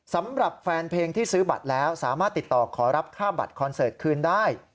สำหรับแฟนเพลงที่ซื้อบัตรแล้วสามารถติดต่อขอรับค่าบัตรคอนเสิร์ตคืนได้